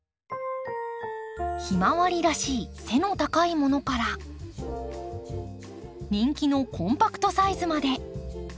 ヒマワリらしい背の高いものから人気のコンパクトサイズまで。